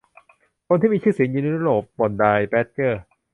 คนที่มีชื่อเสียงในยุโรปบ่นนายแบดเจอร์